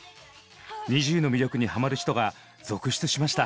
ＮｉｚｉＵの魅力にハマる人が続出しました。